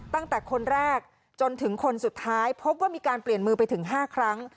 ตั้งแต่คนแรกจนถึงคนสุดท้ายพบว่ามีการเปลี่ยนมือไปถึง๕ครั้ง